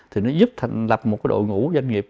thì nó giúp thành lập một cái đội ngũ doanh nghiệp